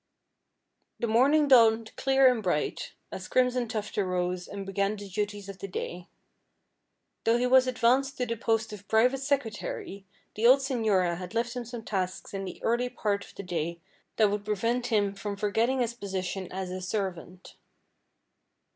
The morning dawned clear and bright, as Crimson Tuft arose and began the duties of the day. Though he was advanced to the post of private secretary, the old señora had left him some tasks in the early part of the day that would prevent him from forgetting his position as a servant.